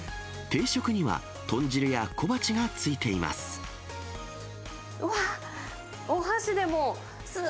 定食には豚汁や小鉢がついています。